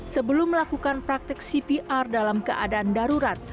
sebelum melakukan praktek cpr dalam keadaan darurat